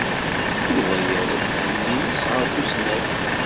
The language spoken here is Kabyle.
Yuba yerra ddhen-nnes ɣer tusnakt.